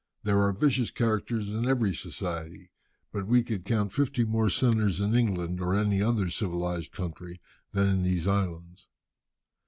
There are vicious characters in every society, but we could count fifty more sinners in England or any other civilized country than in these islands."